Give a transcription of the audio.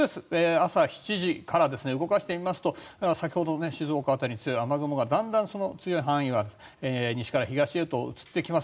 朝７時から動かしてみますと先ほどの静岡県辺りに強い雨雲がだんだん強い範囲が西から東へと移ってきます。